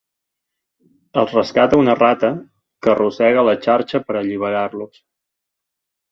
Els rescata una rata, que rosega la xarxa per alliberar-los.